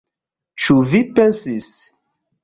Ĉu vi pensis?